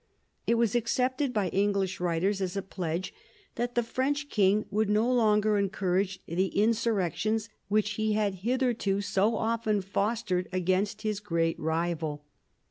It w T as ii THE BEGINNINGS OF PHILIP'S POWER 21 accepted by English writers as a pledge that the French king would no longer encourage the insurrections which he had hitherto so often fostered against his great rival.